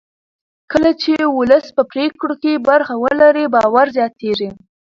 کله چې ولس په پرېکړو کې برخه ولري باور زیاتېږي